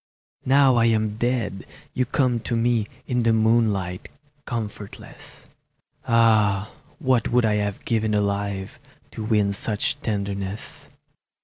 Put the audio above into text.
Now I am dead you come to me In the moonlight, comfortless; Ah, what would I have given alive To win such tenderness!